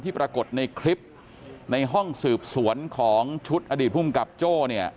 ปรากฏในคลิปในห้องสืบสวนของชุดอดีตภูมิกับโจ้เนี่ย